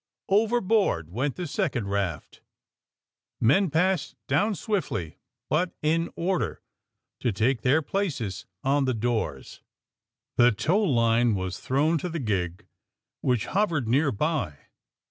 Overboard went the second raft. Men passed down swiftly, but in order, to take their places 136 THE SUBMAEINE BOYS on the doors. The tow line was thrown to the gig, which hovered nearby.